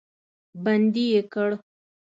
بندي یې کړ.